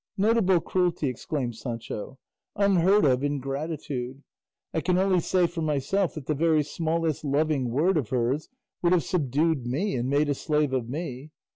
"Notable cruelty!" exclaimed Sancho; "unheard of ingratitude! I can only say for myself that the very smallest loving word of hers would have subdued me and made a slave of me.